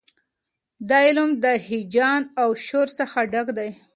دا علم د هیجان او شور څخه ډک دی.